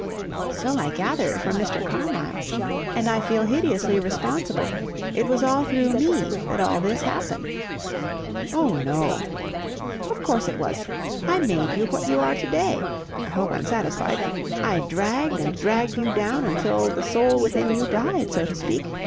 "So I gathered from Mr. Carmyle. And I feel hideously responsible. It was all through me that all this happened." "Oh, no." "Of course it was. I made you what you are to day I hope I'm satisfied I dragged and dragged you down until the soul within you died, so to speak.